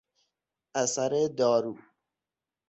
اثر دارو